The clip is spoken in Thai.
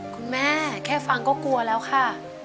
คุณแม่แค่ฟังก็กลัวแล้วค่ะ